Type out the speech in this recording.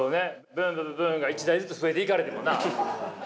ブンブブブンが１台ずつ増えていかれてもな。